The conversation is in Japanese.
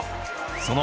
その